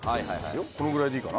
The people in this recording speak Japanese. このぐらいでいいかな？